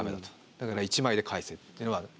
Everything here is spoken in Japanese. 「だから１枚で返せ」っていうのは。